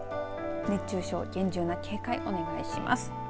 熱中症厳重な警戒お願いします。